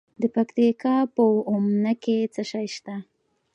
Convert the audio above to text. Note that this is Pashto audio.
د پکتیکا په اومنه کې څه شی شته؟